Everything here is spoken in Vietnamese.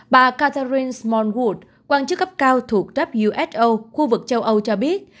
bà catherine smallwood quan chức cấp cao thuộc wso khu vực châu âu cho biết